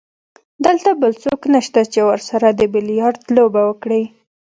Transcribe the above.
دلته بل څوک نشته چې ورسره د بیلیارډ لوبه وکړي.